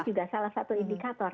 juga salah satu indikator